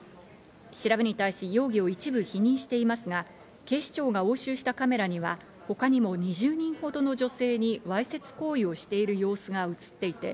調べに対し、容疑を一部否認していますが、警視庁が押収したカメラからは、他にも２０人ほどの女性にわいせつ行為をしている様子が映っていて、